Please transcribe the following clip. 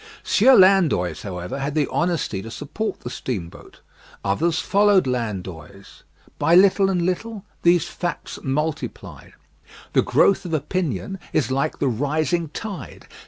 Sieur Landoys, however, had the honesty to support the steamboat. Others followed Landoys. By little and little, these facts multiplied. The growth of opinion is like the rising tide.